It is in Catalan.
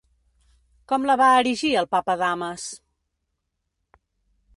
Com la va erigir el papa Damas?